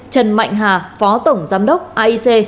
trần mạnh hà phó tổng giám đốc aic